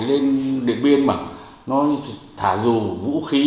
lên điện biên mà nó thả dù vũ khí